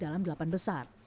masuk dalam delapan besar